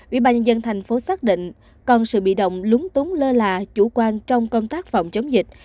ủy ban nhân dân thành phố xác định còn sự bị động lúng túng lơ là chủ quan trong công tác phòng chống dịch